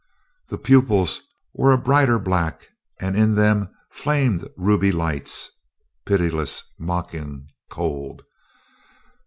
The pupils were a brighter black, and in them flamed ruby lights: pitiless, mocking, cold.